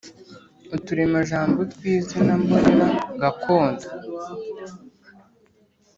Uturemajambo tw’izina mbonera gakondo